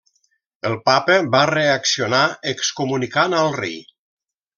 El papa va reaccionar excomunicant al rei.